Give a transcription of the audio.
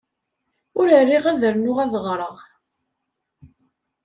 Ur riɣ ad rnuɣ ad ɣreɣ.